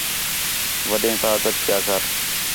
وݙیں تا ادب کیا کر